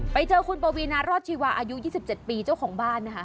ไปเจอคุณปวีนารอดชีวาอายุ๒๗ปีเจ้าของบ้านนะคะ